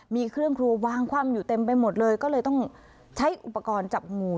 มีเครื่องครัววางคว่ำอยู่เต็มไปหมดเลยก็เลยต้องใช้อุปกรณ์จับงู